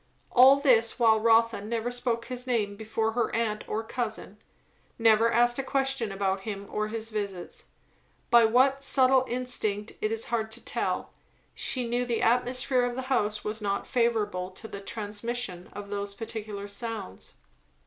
All this while Rotha never spoke his name before her aunt or cousin; never asked a question about him or his visits. By what subtle instinct it is hard to tell, she knew the atmosphere of the house was not favourable to the transmission of those particular sounds.